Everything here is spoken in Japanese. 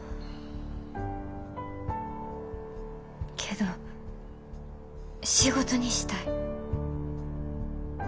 けど仕事にしたい。